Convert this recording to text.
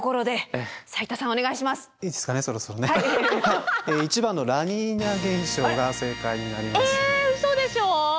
えうそでしょう！